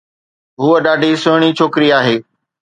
ھوءَ ڏاڍي سهڻي ڇوڪري آھي.